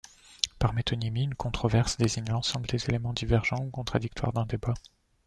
Par métonymie, une controverse désigne l'ensemble des éléments divergents ou contradictoires d'un débat.